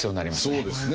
そうですね。